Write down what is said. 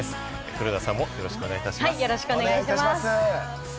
黒田さんもよろしくお願いいたします。